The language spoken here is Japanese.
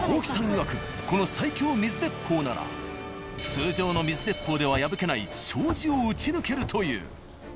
いわくこの通常の水鉄砲では破けない障子を撃ち抜けるという。